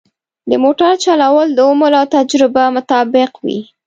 د موټر چلول د عمر او تجربه مطابق وي.